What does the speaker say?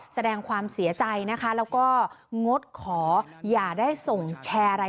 แสดงความเสียใจนะคะแล้วก็งดขออย่าได้ส่งแชร์อะไร